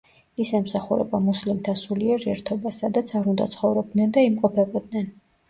ის ემსახურება მუსლიმთა სულიერ ერთობას, სადაც არ უნდა ცხოვრობდნენ და იმყოფებოდნენ.